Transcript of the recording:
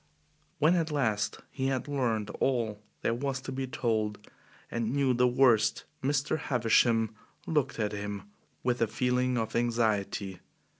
When at last he had learned all there was to be told, and knew the worst, Mr. Havisham looked at him with a feeling of anxiety.